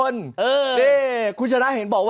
สกิดยิ้ม